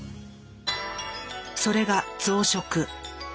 それが増殖。